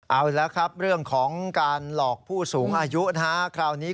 เอาละครับเรื่องของการหลอกผู้สูงอายุนะฮะคราวนี้